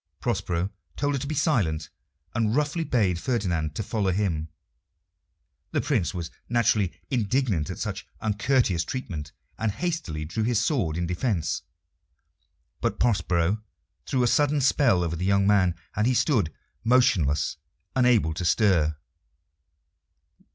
Prospero told her to be silent, and roughly bade Ferdinand to follow him. The Prince was naturally indignant at such uncourteous treatment, and hastily drew his sword in defiance. But Prospero threw a sudden spell over the young man, and he stood motionless, unable to stir.